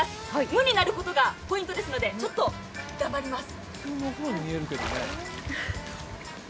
無になることがポイントですので、ちょっと黙ります。